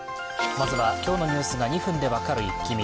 まずは今日のニュースが２分で分かるイッキ見。